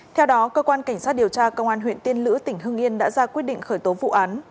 theo đó cơ quan cảnh sát điều tra công an huyện tiên lữ tỉnh hưng yên đã ra quyết định khởi tố vụ án